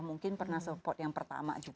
mungkin pernah support yang pertama juga